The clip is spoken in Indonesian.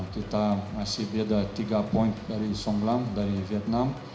kita masih ada tiga poin dari song lam dari vietnam